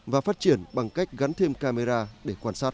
và phát triển bằng cách gắn thêm camera để quan sát